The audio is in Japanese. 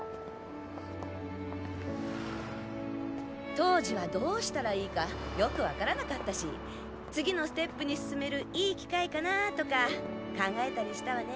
当時はどうしたらいいかよく分からなかったし次のステップに進めるいい機会かなとか考えたりしたわね。